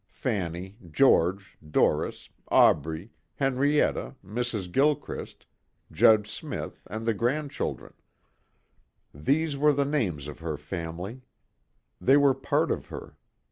Fanny, George, Doris, Aubrey, Henrietta, Mrs. Gilchrist, Judge Smith and the grandchildren. These were the names of her family. They were part of her.